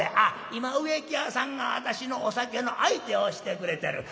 「今植木屋さんが私のお酒の相手をしてくれてる。